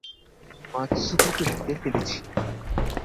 মাতসুকোকে মেরে ফেলেছি!